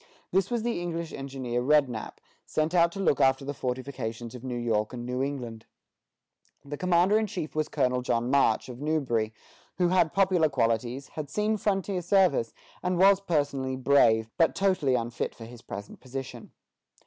This was the English engineer Rednap, sent out to look after the fortifications of New York and New England. The commander in chief was Colonel John March, of Newbury, who had popular qualities, had seen frontier service, and was personally brave, but totally unfit for his present position.